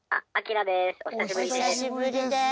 お久しぶりです。